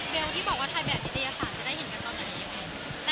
ที่บอกว่าถ่ายแบบนิตยศาสตร์จะได้เห็นกันตอนไหนยังไง